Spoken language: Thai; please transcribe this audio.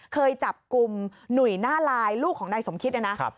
เคยจับกลุ่มหนุ่ยหน้าลายลูกของนายสมคิดเนี่ยนะ